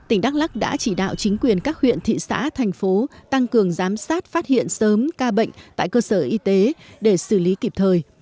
tỉnh đắk lắc đã chỉ đạo chính quyền các huyện thị xã thành phố tăng cường giám sát phát hiện sớm ca bệnh tại cơ sở y tế để xử lý kịp thời